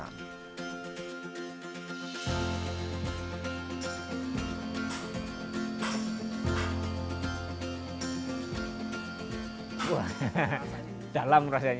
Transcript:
wah dalam rasanya